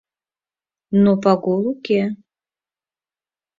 Но Пагул уке.